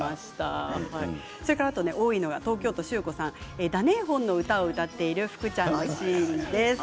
それから多いのが、東京都の方ダネイホンの歌を歌っている福ちゃんのシーンです。